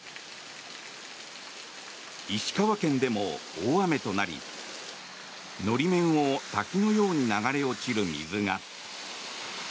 石川県でも大雨となり、法面を滝のように流れ落ちる水が。